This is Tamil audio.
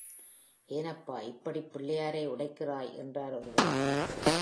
ஏனப்பா, இப்படிப்பிள்ளையாரை உடைக்கிறாய் என்றார் ஒருவர்.